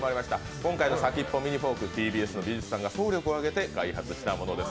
今回の先っぽミニフォーク、ＴＢＳの技術さんが総力を挙げて制作したものです。